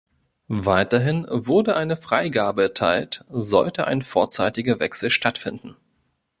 Weiterhin wurde eine Freigabe erteilt, sollte ein vorzeitiger Wechsel stattfinden.